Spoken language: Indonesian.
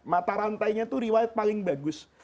matarantainya itu riwayat paling bagus